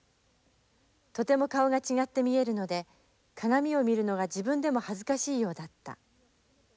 とても顔が違って見えるので鏡を見るのが自分でも恥ずかしいようだった。